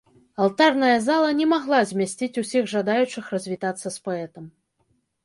Алтарная зала на магла змясціць усіх жадаючых развітацца з паэтам.